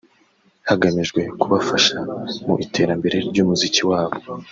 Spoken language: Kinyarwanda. hagamijwe kubafasha mu iterambere ry’umuziki wabo